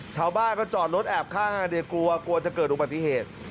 ชาวบ้านก็จอดรถแอบข้างเดี๋ยวกลัวกลัวจะเกิดอุบัติเหตุ